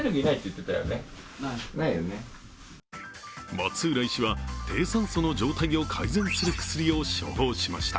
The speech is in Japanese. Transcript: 松浦医師は低酸素の状態を改善する薬を処方しました。